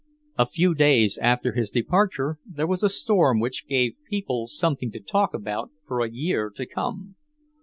A few days after his departure there was a storm which gave people something to talk about for a year to come.